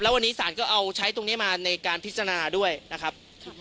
วันนี้ศาลก็เอาใช้ตรงนี้มาในการพิจารณาด้วยนะครับ